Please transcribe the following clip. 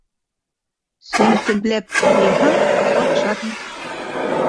Семтемләп йыйһаң, услап ашарһың.